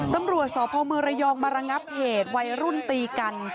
ตำรัวสะพาวเมืองระยองมารังับเหตุไว้รุ่นตีกัน